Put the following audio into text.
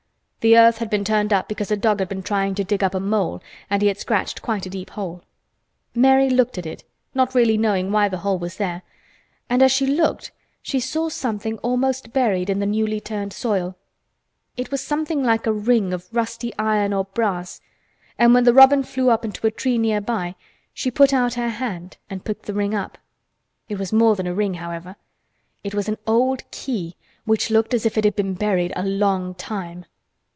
The earth had been turned up because a dog had been trying to dig up a mole and he had scratched quite a deep hole. Mary looked at it, not really knowing why the hole was there, and as she looked she saw something almost buried in the newly turned soil. It was something like a ring of rusty iron or brass and when the robin flew up into a tree nearby she put out her hand and picked the ring up. It was more than a ring, however; it was an old key which looked as if it had been buried a long time.